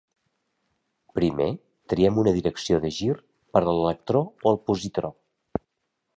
Primer triem una direcció de gir per a l'electró o el positró.